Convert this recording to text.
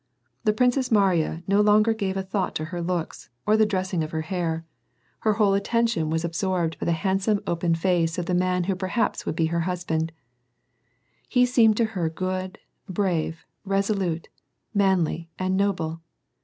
The Princess Mariya no longer gave a thought to her looks, or the dressing of her hair. Her whole attention was ab 272 ^VAR AND PEACE, sorbed by the handsome open fax;e of the man who perhaps would be her husband. He seemed to her good, brave, reso lute, manly, and noble.